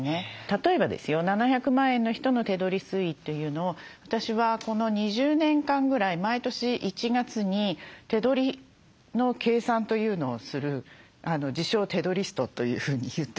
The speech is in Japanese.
例えばですよ７００万円の人の手取り推移というのを私はこの２０年間ぐらい毎年１月に手取りの計算というのをする自称「手取りスト」というふうに言っているんです。